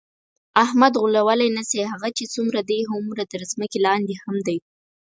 احمد غولولی نشې، هغه چې څومره دی هومره تر ځمکه لاندې هم دی.